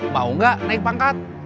mau gak naik pangkat